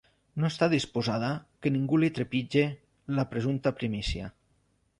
No està disposada que ningú li trepitge la presumpta primícia.